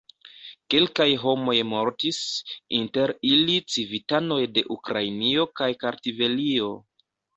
Kelkaj homoj mortis, inter ili civitanoj de Ukrainio kaj Kartvelio.